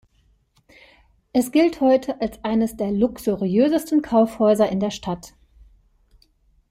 Es gilt heute als eines der luxuriösesten Kaufhäuser in der Stadt.